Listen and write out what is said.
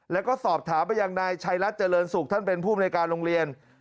แล้วก็สอบถามไปอย่างไรชายรัฐเจริญสุขท่านเป็นผู้บริการโรงเรียน